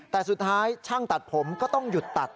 แต่สุดท้ายช่างตัดผมก็ต้องหยุดตัด